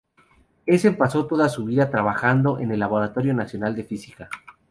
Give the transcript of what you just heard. Essen pasó toda su vida trabajando en el Laboratorio Nacional de Física.